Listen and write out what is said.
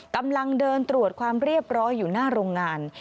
กำลังเดินตรวจความเรียบร้อยอยู่หน้าโรงงาน